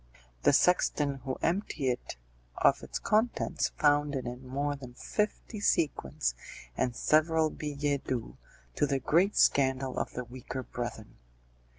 The sexton who emptied it of its contents found in it more than fifty sequins, and several billets doux, to the great scandal of the weaker brethren.